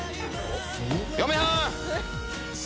嫁はん！